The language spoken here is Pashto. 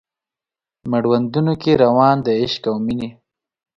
مړوندونو کې روان د عشق او میینې